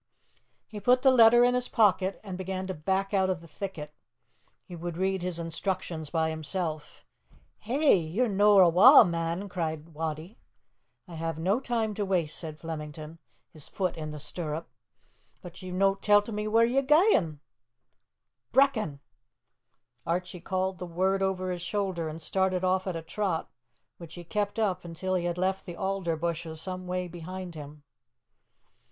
He put the letter in his pocket, and began to back out of the thicket. He would read his instructions by himself. "Hey! ye're no awa', man?" cried Wattie. "I have no time to waste," said Flemington, his foot in the stirrup. "But ye've no tell't me whaur ye're gaein'!" "Brechin!" Archie called the word over his shoulder, and started off at a trot, which he kept up until he had left the alder bushes some way behind him.